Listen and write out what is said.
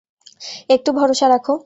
একটু ভরসা রাখো।